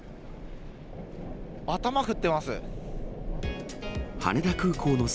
頭振ってます。